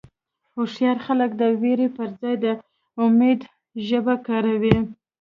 هوښیار خلک د وېرې پر ځای د امید ژبه کاروي.